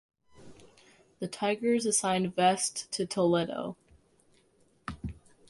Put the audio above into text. The Tigers assigned Vest to Toledo.